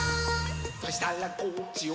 「そしたらこっちを」